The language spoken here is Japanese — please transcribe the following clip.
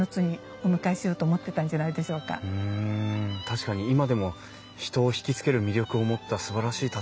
確かに今でも人を引き付ける魅力を持ったすばらしい建物ですもんね。